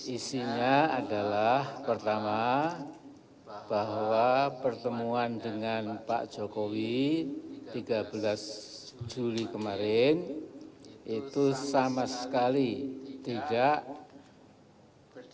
isinya adalah pertama bahwa pertemuan dengan pak jokowi tiga belas juli kemarin itu sama sekali tidak